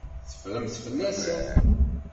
Teffremt fell-asen.